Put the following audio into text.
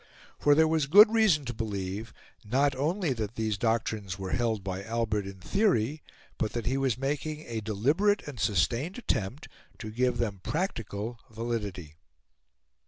For there was good reason to believe not only that these doctrines were held by Albert in theory, but that he was making a deliberate and sustained attempt to give them practical validity.